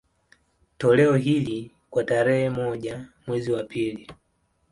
Toleo hili, kwa tarehe moja mwezi wa pili